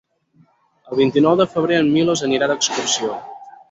El vint-i-nou de febrer en Milos anirà d'excursió.